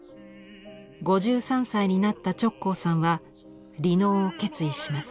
５３歳になった直行さんは離農を決意します。